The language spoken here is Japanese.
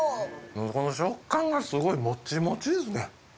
この食感がすごいモチモチですね